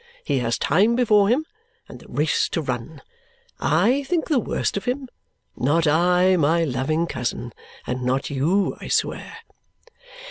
He has time before him, and the race to run. I think the worse of him? Not I, my loving cousin! And not you, I swear!"